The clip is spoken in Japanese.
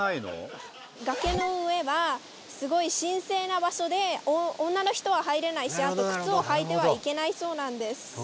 崖の上はすごい神聖な場所で女の人は入れないしあと靴を履いてはいけないそうなんです。